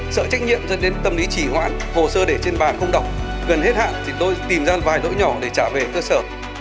sợ trách nhiệm dẫn đến tâm lý chỉ hoãn hồ sơ để trên bàn không đọc gần hết hạn thì tôi tìm ra vài lỗi nhỏ để trả về cơ sở